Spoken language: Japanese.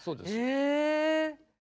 へえ。